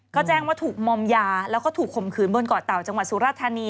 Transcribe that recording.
ก็แจ้งว่าถูกมอมยาแล้วก็ถูกข่มขืนบนเกาะเต่าจังหวัดสุราธานี